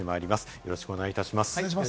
よろしくお願いします。